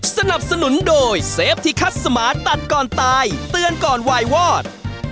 สนับสนุนโดยเซฟที่คัดสมาตัดก่อนตายเตือนก่อนวายวอด